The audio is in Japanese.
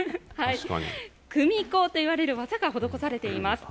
組子といわれる技が施されています。